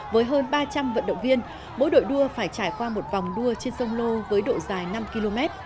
với hơn ba trăm linh vận động viên mỗi đội đua phải trải qua một vòng đua trên sông lô với độ dài năm km